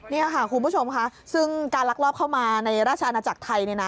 นี่ค่ะคุณผู้ชมค่ะซึ่งการลักลอบเข้ามาในราชอาณาจักรไทยเนี่ยนะ